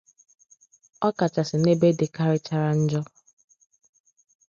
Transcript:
ọ kachasị n'ebe dịkarịchara njọ